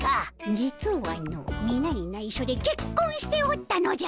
実はのみなにないしょでけっこんしておったのじゃ。